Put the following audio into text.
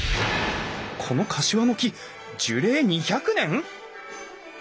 このカシワの木樹齢２００年！？